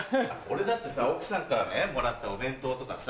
俺だってさ奥さんからねもらったお弁当とかさ。